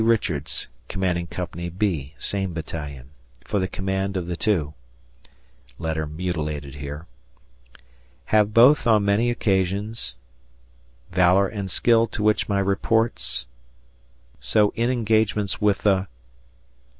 Richards (Commanding Co. B. same battalion) for the command of the two ... [letter mutilated] have both on many occasions ... valor and skill to which my reports ... so in engagements with the